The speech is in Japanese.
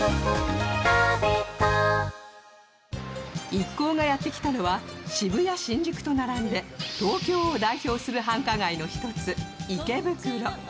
一行がやって来たのは渋谷・新宿と並んで東京を代表する繁華街の１つ、池袋。